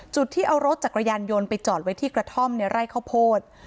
ที่เอารถจักรยานยนต์ไปจอดไว้ที่กระท่อมในไร่ข้าวโพด